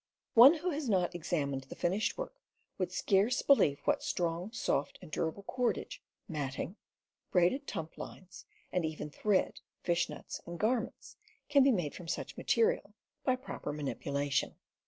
One who has not examined the fin ished work would scarce believe what strong, soft, and durable cordage, matting, braided tumplines, and even thread, fish nets, and garments can be made from such materials by proper manipulation.